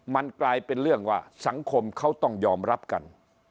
มันกลายเป็นเรื่องว่าสังคมเขาต้องยอมรับกัน